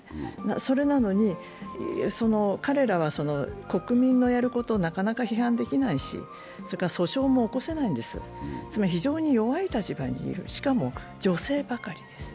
それなのに彼らは国民のやることをなかなか批判できないし、訴訟も起こせないんですね、つまり非常に弱い立場にいるしかも女性ばかりです。